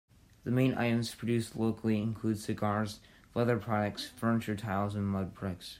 The main items produced locally include cigars, leather products, furniture, tiles and mud bricks.